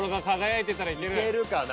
いけるな！